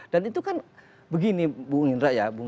dan itu kan begini bu rindra ya